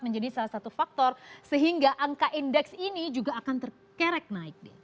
menjadi salah satu faktor sehingga angka indeks ini juga akan terkerek naik